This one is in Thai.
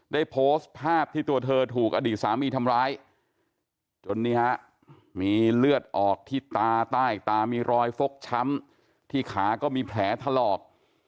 ได้โพสต์ภาพที่ตัวเธอถูกอดีตสามีทำร้าย